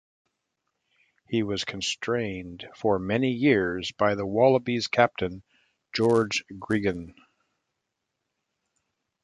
He was constrained for many years, by the Wallabies captain, George Gregan.